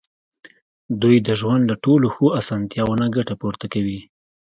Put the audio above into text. دوی د ژوند له ټولو ښو اسانتیاوو نه ګټه پورته کوي.